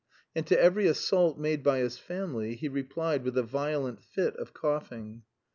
And to every assault made by his family he replied with a violent fit of coughing.